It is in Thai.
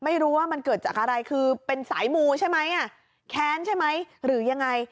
ไม่รู้ว่ามันเกิดจากอะไรคือเป็นสายมูใช่ไหมแค้นใช่ไหมหรือยังไง